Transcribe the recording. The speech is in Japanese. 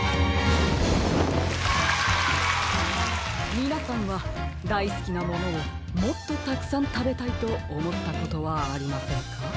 みなさんはだいすきなものをもっとたくさんたべたいとおもったことはありませんか？